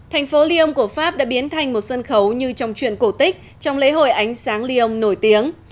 thành phố lyon của pháp đã biến thành một sân khấu như trong chuyện cổ tích trong lễ hội ánh sáng lyon nổi tiếng